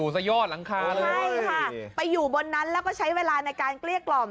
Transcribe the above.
ใช่ค่ะไปอยู่บนนั้นแล้วก็ใช้เวลาในการเกลี้ยกล่อม